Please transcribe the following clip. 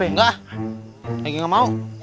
enggak enggak mau